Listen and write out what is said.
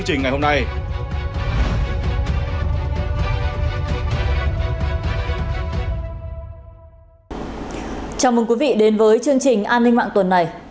chào mừng quý vị đến với chương trình an ninh mạng tuần này